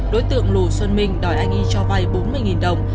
đối tượng lù xuân minh đòi anh y cho vay bốn mươi đồng